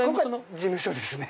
事務所ですね。